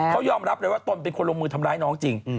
เขายอมรับเลยว่าตนเป็นคนลงมือทำร้ายน้องจริง